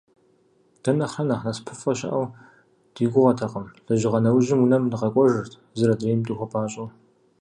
Дэ нэхърэ нэхъ насыпыфӀэ щыӀэу ди гугъэтэкъым: лэжьыгъэ нэужьым унэм дыкъэкӀуэжырт, зыр адрейм дыхуэпӀащӀэу.